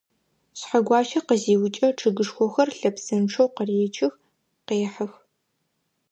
Шъхьэгуащэ къызиукӏэ, чъыгышхохэр лъэпсэнчъэу къыречых, къехьых.